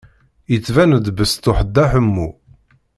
Yettban-d besṭuḥ Dda Ḥemmu.